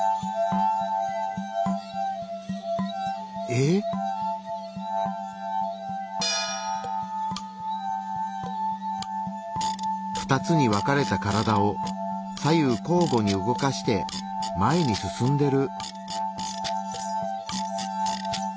えっ⁉２つに分かれた体を左右こうごに動かして前に進んでる。